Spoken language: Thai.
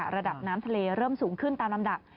ระดับน้ำทะเลเริ่มสูงขึ้นตามลำดับ